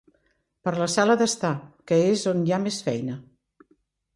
Per la sala d'estar, que és on hi ha més feina.